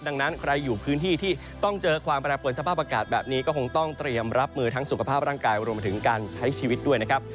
ดังนั้นใครอยู่พื้นที่ที่ต้องเจอความแปรปวนสภาพอากาศแบบนี้ก็คงต้องเตรียมรับมือทั้งสุขภาพร่างกายรวมไปถึงการใช้ชีวิตด้วยนะครับ